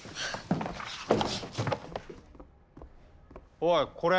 おいこれ。